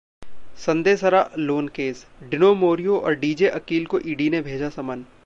Sandesara loan case: Dino Morea और DJ Aqeel को ED ने भेजा समन